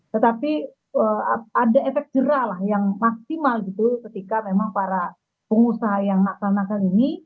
tetapi ada efek jerah lah yang maksimal gitu ketika memang para pengusaha yang nakal nakal ini